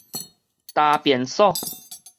焦便所